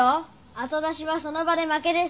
あと出しはその場で負けです！